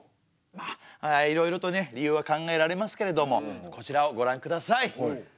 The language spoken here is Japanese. まあいろいろとね理由は考えられますけれどもこちらをごらんください。